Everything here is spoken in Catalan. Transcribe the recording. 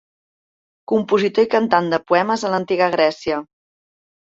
Compositor i cantant de poemes a l'antiga Grècia.